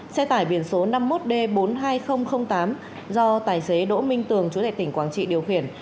xe tải biển số năm mươi một d bốn mươi hai nghìn tám do tài xế đỗ minh tường chủ thể tỉnh quảng trị điều khiển